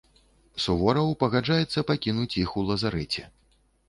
Сувораў пагаджаецца пакінуць іх у лазарэце.